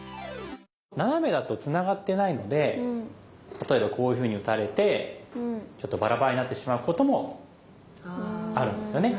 ナナメだとつながってないので例えばこういうふうに打たれてちょっとバラバラになってしまうこともあるんですよね。